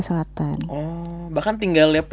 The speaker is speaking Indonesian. kalau ada yang deutlich